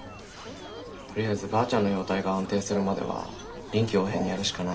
とりあえずばあちゃんの容体が安定するまでは臨機応変にやるしかないな。